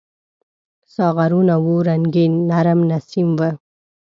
ساغرونه وو رنګین ، نرم نسیم و